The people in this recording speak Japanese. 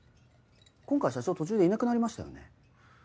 今回社長途中でいなくなりましたよね？